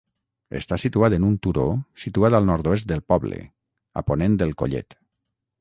Està situat en un turó situat al nord-oest del poble, a ponent del Collet.